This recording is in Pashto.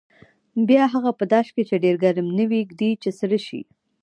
بیا هغه په داش کې چې ډېر ګرم نه وي ږدي چې سره شي.